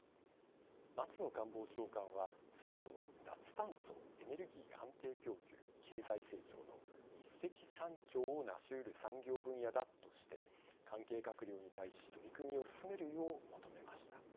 松野官房長官は水素は脱炭素エネルギー安定供給経済成長の一石三鳥をなしうる産業分野だとして関係閣僚に対し取り組みを進めるよう求めました。